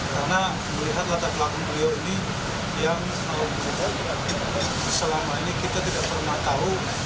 karena melihat latar belakang beliau ini yang selama ini kita tidak pernah tahu